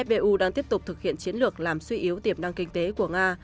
ppu đang tiếp tục thực hiện chiến lược làm suy yếu tiềm năng kinh tế của nga